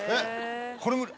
これ無理。